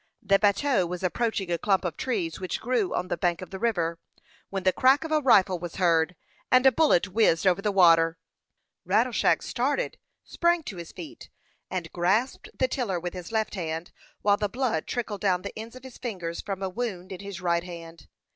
The bateau was approaching a clump of trees which grew on the bank of the river, when the crack of a rifle was heard, and a bullet whizzed over the water. Rattleshag started, sprang to his feet, and grasped the tiller with his left hand, while the blood trinkled down the ends of his fingers from a wound in his right arm.